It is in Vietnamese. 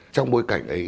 trong bối cảnh ấy